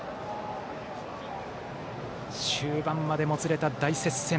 終盤までもつれた大接戦。